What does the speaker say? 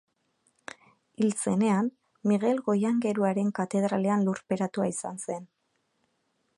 Hil zenean, Migel Goiaingeruaren Katedralean lurperatua izan zen.